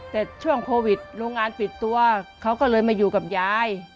แต่ช่วงโควิดโรงงานปิดตัวเขาก็เลยมาอยู่กับยาย